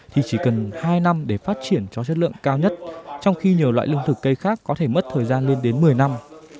thì chỉ cần hai năm để phát triển cho chất lượng cao nhất trong khi nhiều loại lương thực cây khác có thể mất thời gian lên đến một mươi năm